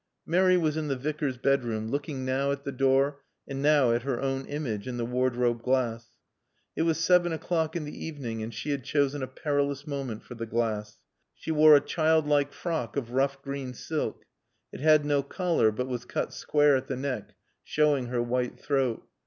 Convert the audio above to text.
Mary was in the Vicar's bedroom, looking now at the door, and now at her own image in the wardrobe glass. It was seven o'clock in the evening and she had chosen a perilous moment for the glass. She wore a childlike frock of rough green silk; it had no collar but was cut square at the neck showing her white throat.